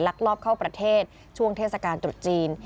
ลอบเข้าประเทศช่วงเทศกาลตรุษจีน